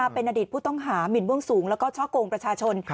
เป็นอดีตผู้ต้องหาหมินเบื้องสูงแล้วก็ช่อกงประชาชน